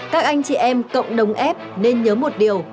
các anh chị em cộng đồng ép nên nhớ một điều